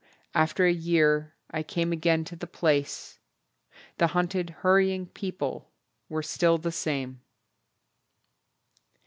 After a year I came again to the place The hunted hurrying people were still the same....